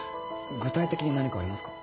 具体的に何かありますか？